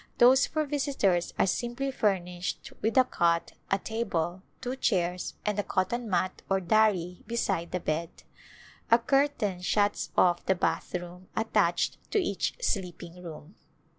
Those for visitors are simply furnished with a cot, a table, two chairs, and a cotton mat or dari beside the bed. A curtain shuts off the bath room attached to each sleeping room.